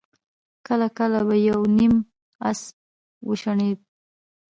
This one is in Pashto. کله کله به يو نيم آس وشڼېد.